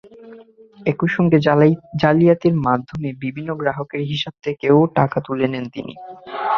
একই সঙ্গে জালিয়াতির মাধ্যমে বিভিন্ন গ্রাহকের হিসাব থেকেও টাকা তুলে নেন তিনি।